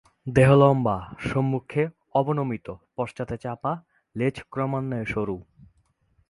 দেহ লম্বা, সম্মুখে অবনমিত, পশ্চাতে চাপা, লেজ ক্রমান্বয়ে সরু।